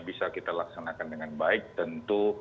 bisa kita laksanakan dengan baik tentu